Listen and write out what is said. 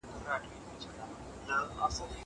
زه هره ورځ موسيقي اورم!!